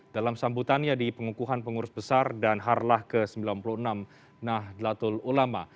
dalam sambutannya di pengukuhan pengurus besar dan harlah ke sembilan puluh enam nahdlatul ulama